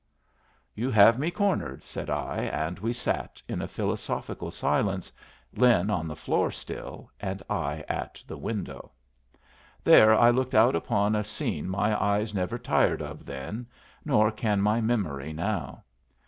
"You have me cornered," said I, and we sat in a philosophical silence, Lin on the floor still, and I at the window. There I looked out upon a scene my eyes never tired of then, nor can my memory now.